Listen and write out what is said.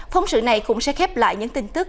phóng sự này cũng sẽ khép lại những tin tức